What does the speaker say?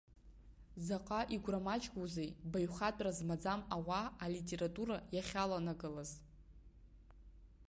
Заҟа игәырмаҷгоузеи баҩхатәра змаӡам ауаа алитература иахьаланагалаз.